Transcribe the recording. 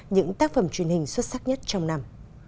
những tác phẩm truyền hình xuất sắc nhất trong năm